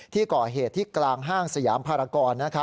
ที่ก่อเหตุที่กลางห้างสยามภารกร